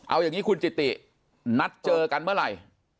เอาอย่างนี้คุณจิตินัดเจอกันเมื่อไหร่